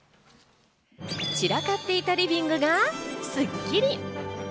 散らかっていたリビングがスッキリ。